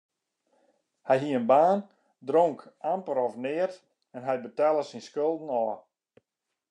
Hy hie in baan, dronk amper of neat en hy betelle syn skulden ôf.